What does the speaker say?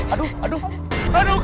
aduh aduh aduh aduh